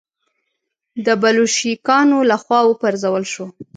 د بلشویکانو له خوا و پرځول شو.